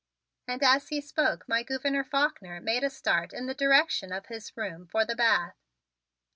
And as he spoke my Gouverneur Faulkner made a start in the direction of his room for the bath.